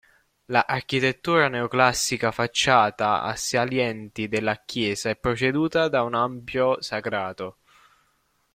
La architettura neoclassica facciata a salienti della chiesa è preceduta da un ampio sagrato.